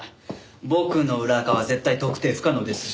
僕の裏アカは絶対特定不可能ですし。